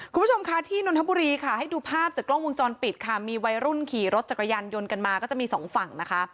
คุณผู้ชมค่ะที่นนทบุรีค่ะให้ดูภาพจากกล้องวงจรปิดค่ะมีวัยรุ่นขี่รถจักรยานยนต์กันมาก็จะมีสองฝั่งนะคะ